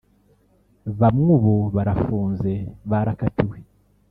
bamwe ubu barafunze barakatiwe